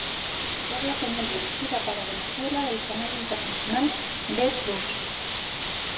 Es la señal dirigida para Venezuela del canal internacional Ve Plus.